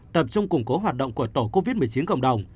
tập trung củng cố hoạt động của tổ covid một mươi chín cộng đồng